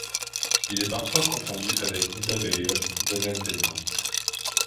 Il est parfois confondu avec Nidavellir, domaine des Nains.